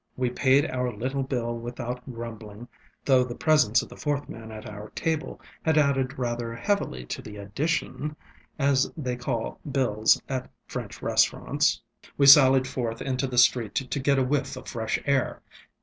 ŌĆ£We paid our little bill without grumbling, though the presence of the fourth man at our table had added rather heavily to the addition, as they call bills at French restaurants. ŌĆ£We sallied forth into the street to get a whiff of fresh air.